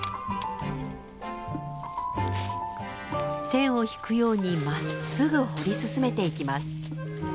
線を引くようにまっすぐ掘り進めていきます。